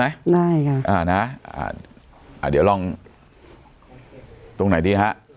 ได้ค่ะอ่านะอ่าเดี๋ยวลองตรงไหนดีฮะ